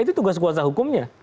itu tugas kuasa hukumnya